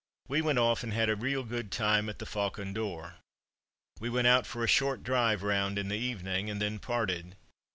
We went off and had a real good time at the "Faucon d'Or." We went out for a short drive round in the evening, and then parted.